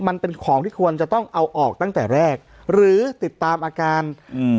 มันเป็นของที่ควรจะต้องเอาออกตั้งแต่แรกหรือติดตามอาการอืม